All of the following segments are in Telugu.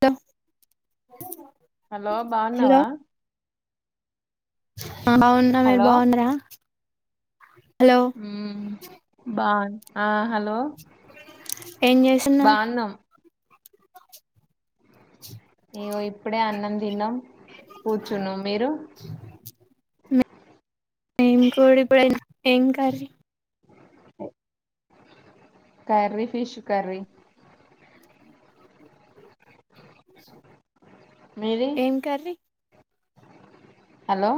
తో హలో బాగున్నావా నిను బాగున్నా మీరు హలో బాగున్నారా హలో మ్మ్ బాగున్నా హల్ హలో ఏం చేస్తున్నారు బాగున్నాం ఇవొ ఇప్పుడే అన్నం తిన్నాం కూర్చున్నం మీరు మిము కూడా పొయినాం ఏం కర్రీ కర్రీ ఫిష్ కర్రీ మీది ఏం కర్రీ హలో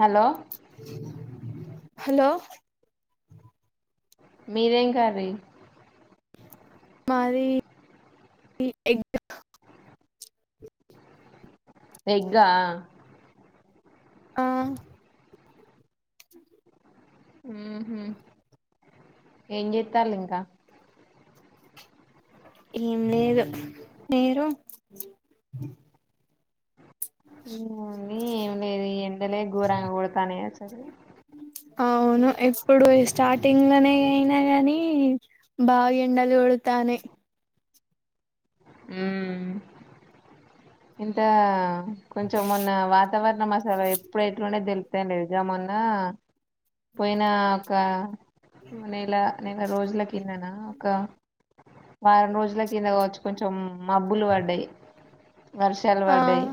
హలో హలో మీరేం కర్రీ మాది ఎగ్ ఎగ్గా ఆ ఉహు ఏం చేత్తాలింకా ఏం లేదు మీరు ఏం ఉంది ఏం లేదు ఎండలే ఘోరంగ కొడతాన్నయి అసలు అవును ఎప్పుడు స్టార్టింగ్ లోనే అయినా గానీ బాగా ఎండలు కొడతాన్నాయి మ్మ్ ఇంత కొంచెం మన్న వాతావరణం అసలు ఎప్పుడు ఎట్లుండే తెలుత్తలేదు కదా మొన్న పోయినా ఒక నెల నెలా రోజుల కిందనా ఒక వారం రోజుల కింద కావచ్చు కొంచెం మబ్బులు పడ్డాయి వర్షాలు ఆ పడ్డాయి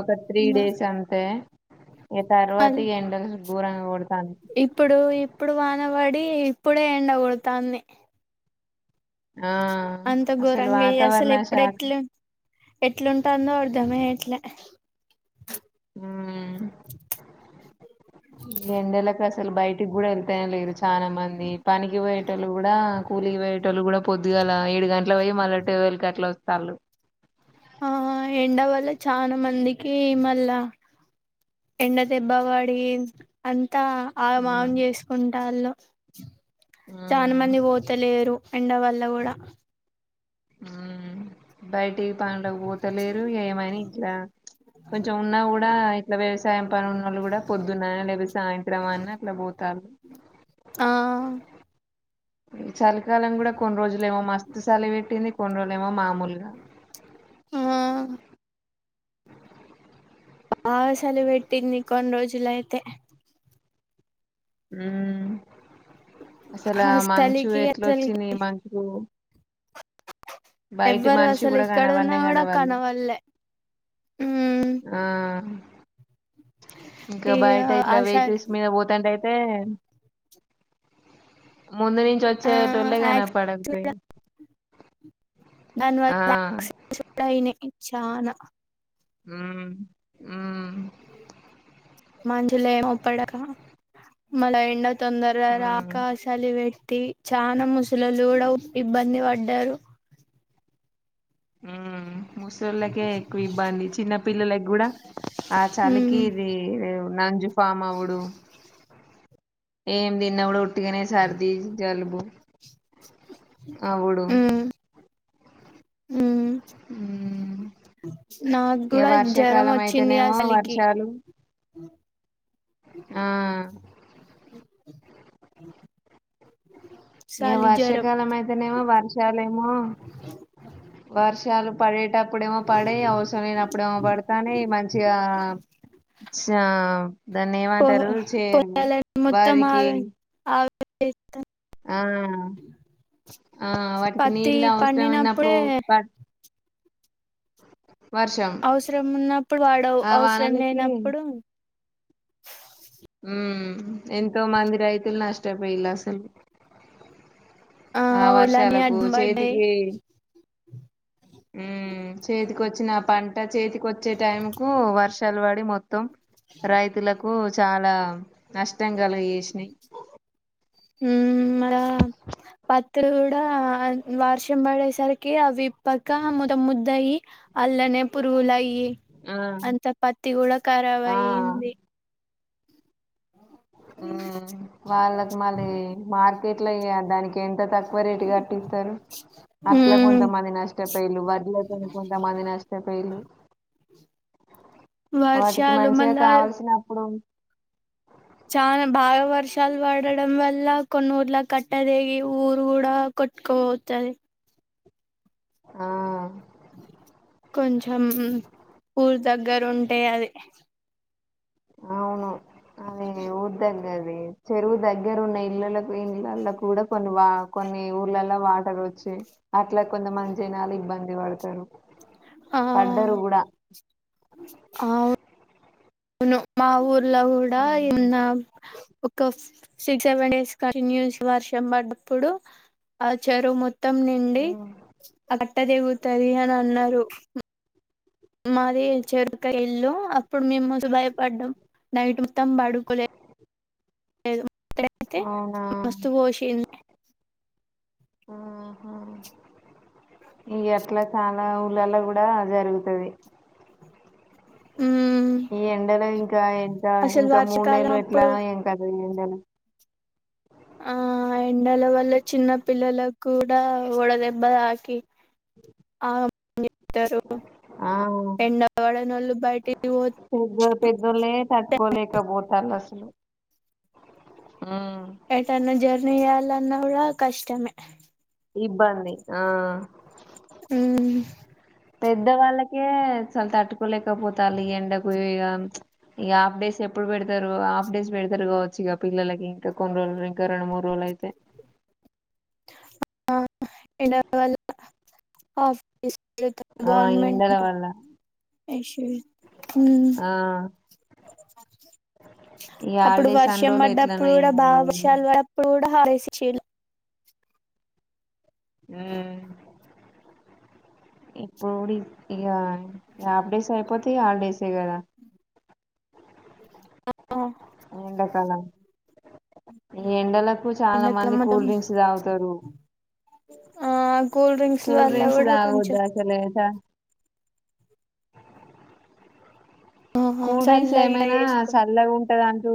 ఒక త్రీ డేస్ అంతే ఇంగా తర్వాత ఈ ఎండల్ దూరంగా పడు ఇప్పుడు ఇప్పుడు వాన పడి ఇప్పుడే ఎండకూడతాంది ఆ అంత అసలు ఘోరంగా ఎయ్య అసలు వాతావరణ శాఖ ఎప్పుడెట్లు ఎట్లా ఉంటాందో అర్ధమే ఎయాట్లే ఈ ఎండలకి అసలు అసలు బయటికి కూడా వెళ్తేనే లేరు చాలా మంది పనికి పోయేటొళ్ళు కూడా కూలికి పోయేటొళ్ళు కూడా పొద్దుగాల ఏడు గంటలకీ పోయ్యి మళ్ళీ ట్వల్వ్ కీ గట్ల వస్తాల్లు ఆ ఎండ వల్ల చాలా మందికి మళ్ళా ఎండ దెబ్బపడి అంత్ అంత ఆగమాగం ఉమ్ చేసుకుంటాళ్ళు చాలా ఉమ్ మంది పోతలేరు ఎండ వల్ల కూడా ఉ బయ ఏ పనులకు పోతలేరు ఏమైనా ఇట్లా కొంచెం ఉన్నా కూడా ఇట్లా వ సాయం పనులున్నళ్ళు కూడా పొద్దున్న లేపో సాయంత్రం ఐనా అట్లా పోతారు ఆ ఈ చలికాలం కూడా కొన్ని రోజులు ఏమో మస్తు చలి పెెట్టింది కొన్ని రోజులు ఏమో మామూలుగా ఆ బా సలు పెట్దిని కొన్ రోజుల అయితే ఉ అసలు ఆ మంచు చలికి ఎట్లా అసలుకి వచ్చింది మంచు ఎవ్వరు మనిషి అసలు కూడా ఇక్కడన్నా కనవడనే కూడా కనవడలే కనవళ్లే ఆ ఇంకా ఇగ బయట ఇట్లా అస వెహికల్స్ మీద పోతాంటయి తే ముందు నుంచి ఆ వచ్చేోళ్ళే గానపడకపోయెది దాని వల్ల క్సీ కూడా ఐనయ్ చానా ఉ ఉ మంచలో ఏమగనప్పడక మళ ఎండో తొందర ఉమ్ రాకా సాలివెట్ టి చాలా ముసలోలు కూడా ఇబ్బంది పడ్డారు మ్మ్ ముసళ్ళకే ఎక్కువ ఇబ్బంది చిన్న పిల్లలకి కూడా ఆ ఉమ్ చలికి ఇది నంజు ఫామ్ అవుడు ఏమి దిన్న కూడా ఉట్గానే సర్ది జల్బో అవుడు ఉమ్ ఉమ్ ఉ నాకు ఏ కూడా జ్వరం వర్షాకాలం వచ్చింది అయితేనేమో అసలికి వర్షాలు ఆ ఇగ చలి జ్వరం వర్షాకాలం అయితేనేమో వర్షాలేమో వర్ష్ శాలు పడేటప్ ప్పుడేమో పడయ్ అవసరం లేనప్పుడేమో పడతానై మంచిగా శా దాన్ని పో ఏమంటారు చే పొలాలను మొత్తం వరికి ఆవి ఆవి ఆ ఆ వాటికి పత్తి నీళ్ళు అవసరమైన్నప్పుడు పండినప్పుడే పట్ అవసరం ఉన్నప్పుడు వాడవ్ ఆ అవసరం వానలకి లేనప్పుడు ఉ ఎంతో మంది రైతులు నష్టపోయిలు అసలు ఆ ఓలని వర్షాలకు అడ్డం పడ్డాయి చేతికి ఊమ్ చేతి ఒచ్చిన పంట చేతికి వచ్చే టైం కు వర్షాలు పడి మొత్తం రైతులకు చాలా నష్టం కలగ జేషినయ్ ఆ పత్తులు గూడా ఆ వర్షం పడేసరికి అవిప్పక మొత మొ ముద్దయి అల్లనే పురుగులయి ఆ అంత పత్తి గూడా ఆ ఖరావయింది ఊమ్ వాళ్ళకి మళ్ళీ మార్కెట్ల ఇగ దానికి ఎంత తక్కువ రేటు కట్టి తరు అట్లా ఉమ్ కొంతమంది నష్టపయిలు వడ్లతోని కొంతమంది నష్టపయిలు వాటికి వర్షాలు మంచిగా మళ్ళా కావల్సినప్పుడు చానా బాగా వర్షాలు పడడం వల్ల కొన్ని ఊర్ల కట్టదెగి ఊరు కూడా కొ ట్కోవోతది ఆ కొంచెం ఊరు దగ్గర ఉంటే అది అవును అదే ఊద్దగది ది చెరువు దగ్గర ఉన్న ఇళ్ళలకు పోయింది ఇళ్లకు కూడా కొన్ని వా కొన్ని ఊర్లలో వాటర్ వొచ్చు చే అట్లా కొంత మంది జనాలు ఇబ్బంది పడతారు ఆ పడ్డరు కూడా అవ్ వును మా ఊర్లో గూడా ఉమ్ ఉన్న ఒక సిక్స్ సెవెన్ డేస్ కంటిన్యూఎస్ వర్షం పన్నప్పుడు ఆ చెరువు మొ త్తం నిండి ఉమ్. కట్ట తెగుతది అని అన్నారు మాది చెరువుక ఇల్లు అప్పుడు మేము ముదు భయపడ్డాం నైట్ మొత్తం బడుకోలే లేదు ఇక్కడైతే అవునా మస్తు పోసింది ఆహా ఇగ అట్లా చాలా ఊర్లల్లో కూడా ఆ జరుగుతది ఉమ్ ఈ ఎండలో ఇంకా ఎంత అసలు ఇంకా మూడు నేలు వర్షకాలం అప్పుడు ఎట్లనో ఏం కథో ఈ దేల్ ఆ ఎండల వల్ల చిన్నపిల్లల కు కూడా వడ దెబ్బ తాకి ఆ చెప్తారు ఆ ఎండ పడనోళ్లు బయటికి పో పెద్ద పెద్దొల్లే తట్టుకోలేక పోతారు అసలు ఉమ్ ఎటన్నా జర్నీ చేయాలన్నా కూడా కష్టమే ఇబ్బంది ఆ ఉమ్ పెద్ద వాళ్ళకే అసలు తట్టుకోలేకపోతారు ఈ ఎండకు ఇగ ప్చ్ ఈ హాఫ్ డేస్ ఎప్పుడు పెడతారు హాఫ్ డేస్ పెడతారు కావచ్చు ఇగ పిల్లలకి ఇంకా కొన్ని రోజుల ఇంకా రెండు మూడు రోజులైతే ఆ ఎండ వల్ల హాఫ్ ఆ ఈ ఎండల గవర్నమెంట్ వల్ల ఇష్యూ ఆ ఈ అప్పుడు హాలిడేస్ అన్ని వర్షం రోజులు పడ్డప్పుడు ఎట్లనో కూడా ఏమో ఇగ బాగా ఉమ్ వర్షాలు పడ్డప్పుడు కూడా హా ఏసి ఉహ్మ్ ఇప్పుడు ఇగ ఆఫ్ డేస్ అయిపోతే ఇగ హాలిడేస్ ఏ కదా ఏండకాలం ఈ ఎండలకు ఎండాకాలం చాలామంది మొత్తం కూల్ డ్రింక్స్ తాగుతారు ఆ కూల్ డ్రింక్స్ కూల్ వల్ల డ్రింక్స్ కూడా కొంచెం తాగొద్దు అసలే సా ఆహా కూల్ డ్రింక్స్ చల్లగా ఏమైనా చేసుకో చల్లగా ఉంటది అంటూ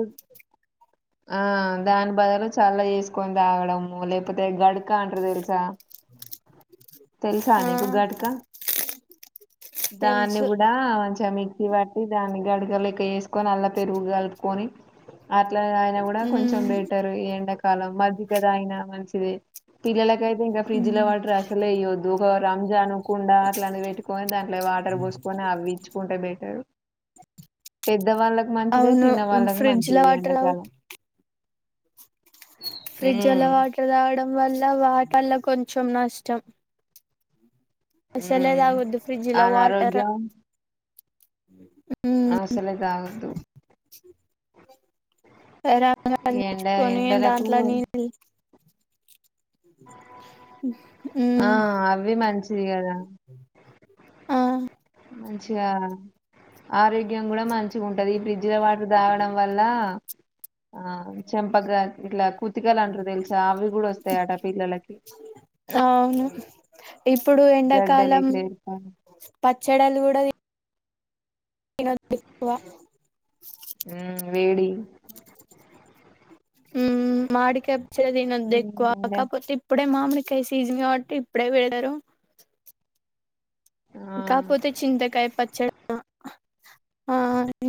ఆ దాని బదులు చల్ల చేసుకొని తాగడము లేకపోతే గడక అంటారు తెలుసా తెలుసా ఆ నీకు గడక దాన్ని తెలుసు కూడా మంచిగా మిక్సీ పట్టి దాన్ని గడ గాలేక ఏసుకొని అల్ల పెరుగు కలుపుకొని అట్లా తాగిన కూడా కొంచెం ఉమ్ బెటరు ఈ ఎండ కాలం మజ్జిగ తాగిన మంచిదే పిల్లలకైతే ఇంకా ఫ్రిడ్జ్ లో వాటర్ అసలే ఇయ్యదు రంజాను కుండ అట్లాంటిది పెట్టుకొని దాన్ లే వాటర్ పోసుకొని అవి ఇచ్చుకుంటే బెటర్ పెద్దవాళ్ళకి మంచిదే అవును చిన్న వాళ్లకి ఫ్రిడ్జ్ మంచిదే లో ఈ వాటర్ ఎండాకాలం ఫ్రిజ్జుల్లో ఉమ్ వాటర్ తాగడం వల్ల వా వల్ల కొంచెం నష్టం అసలే ఉమ్ తాగొద్దు ఫ్రిజ్జుల్లో వాటర్ అనారోగ్యం అసలే తాగొద్దు [unintelligible] ఎండ తెచ్చుకొని ఎండలకు దాంట్లో నీళ్లు ఉ ఆ అవి మంచిది కదా ఆ మంచిగా ఆరోగ్యం కూడా మంచిగా ఉంటది ఈ ఫ్రిడ్జ్లో వాటర్ తాగడం వల్ల ఆ చెంపగా ఇట్లా కుతికలు అంటారు తెలుసా అవి కూడా వస్తాయట పిల్లలకి అవును ఇప్పుడు గడ్డలు ఎండాకాలం ఇట్లా ఏర్పడి పచ్చడలు కూడా తిన్ తినద్దెక్కువ ఊమ్ వేడి ఊ మామిడికాయ్ పచ్చడి ఉమ్, తినొద్దెక్కువ ఎండ కాకపోతే ఇప్పుడే మామిడి కాయ్ సీజన్ కావట్టి ఇప్పుడే వేడరం ఆ ఆ ఆ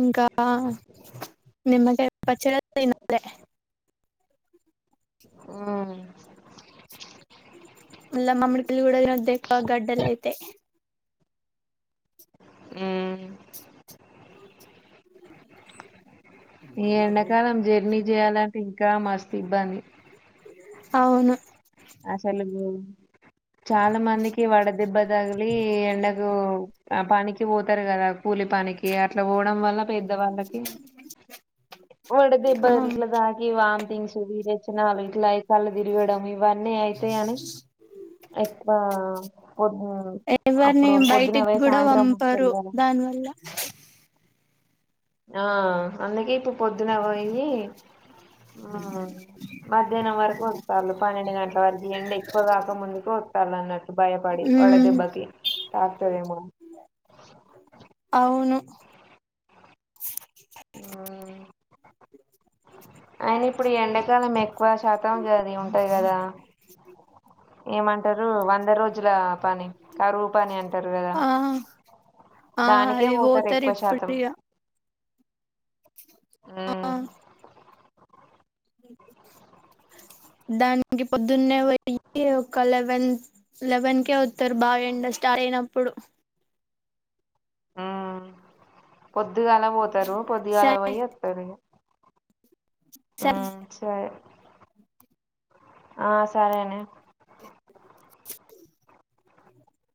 ఇంకా నిమ్మకాయ్ పచ్చడే దినాలె ఊ పుల్ల మామిడి కాయలు గుడా తినద్దు ఎక్కువ గడ్డలయితాయ్ ఆ ఈ ఎండాకాలం జర్నీ జేయాలంటే ఇంకా మస్తు ఇబ్బంది అవును అసలు గూ చాలా మందికి వడదెబ్బ దగిలి ఎండకు ఆ పనికి పోతారు కదా కూలి పనికి అట్లా పోవడం వల్ల పెద్దవాళ్ళకి వడ దెబ్బ ఆ ఇట్ల దాకి వామ్ తింగ్స్ ఇంక వీరొచనాలు ఇట్ల కల్ళు దిరగడం ఇవన్ని అయితాయని ఎక్కువ పొద్దు ఎవరిని అప్పుడు బయటికి పొద్దునవే కూడా సాయంత్రం పంపరు వరకుల దానివల్ల ఆ అందుకే ఇప్పుడు పొద్దున్నె వొయ్యి ఆ మధ్యానం వరకు వస్తారు పన్నెండు గంటల వరకు ఎండ ఎక్కువ కాక ముందుకు వస్తారు అన్నట్టు భయపడి వడ ఉమ్ దెబ్బకి తాక్తదెమో అవ్ ఆ స [unintelligible] ఇప్పుడు ఈ ఎండాకాలం ఎక్కువ శాతం గది ఉంటాది గదా ఏమంటారు వంద రోజుల పని కరువు పని అంటారు కదా ఆ ఆ దానికే అది పోతారు ఎక్కువ ఇప్పుడు శాతం ఇగ ఆ ఉమ్ దానికి పొద్దున్నే వొయ్యి ఒక లెవెన్ లెవెన్ కె వొత్తారు బాగా ఎండ స్టా ర్ట్ అయినప్పుడు పొద్దిగాలనే పోతారు పొద్దిగాల స పొయ్యి వత్తారు ఇగ ఉ సర్ సరే ఆ సరేనే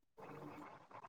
అ